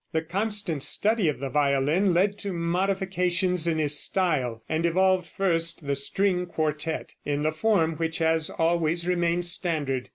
The constant study of the violin led to modifications in his style, and evolved first, the string quartette in the form which has always remained standard.